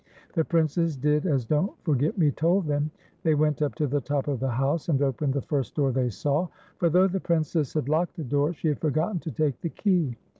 The Princes did as Don't Forget Me told them ; they went up to the top of the house, and opened the first door they saw ; for, though the Princess had locked the door, she had forgotten to take the kc\'.